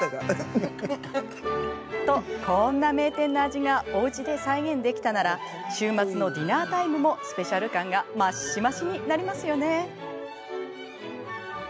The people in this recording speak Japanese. と、こんな名店の味がおうちで再現できたなら週末のディナータイムもスペシャル感が増し増しになりますよね。